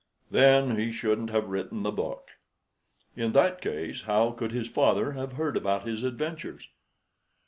"Then he shouldn't have written the book." "In that case how could his father have heard about his adventures?"